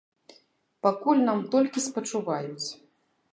Пакуль нам толькі спачуваюць.